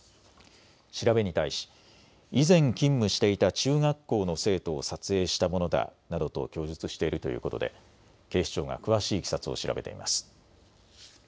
調べに対し以前、勤務していた中学校の生徒を撮影したものだなどと供述しているということで警視庁が詳しいいきさつを調べています。